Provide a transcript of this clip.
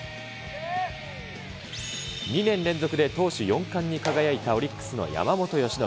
２年連続で投手四冠に輝いたオリックスの山本由伸。